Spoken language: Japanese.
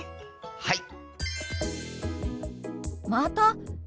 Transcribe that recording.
はい！